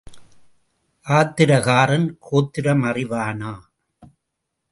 ஆத்திரக்காரன் கோத்திரம் அறிவானா?